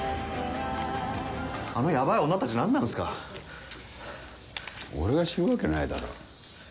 あのやばい女たち、何なんで俺が知るわけないだろ。